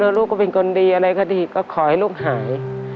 แล้วลูกก็เป็นคนดีอะไรก็ดีก็ขอให้ลูกหาย